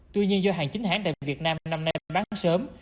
tuy nhiên do hàng chính hãng tại việt nam năm nay bán sớm